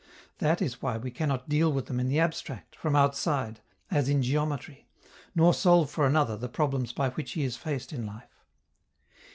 That is why we cannot deal with them in the abstract, from outside, as in geometry, nor solve for another the problems by which he is faced in life.